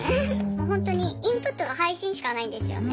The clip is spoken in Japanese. もうほんとにインプットが配信しかないんですよね。